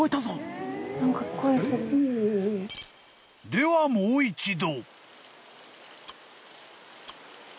［ではもう一度］